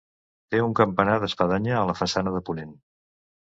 Té un campanar d'espadanya a la façana de ponent.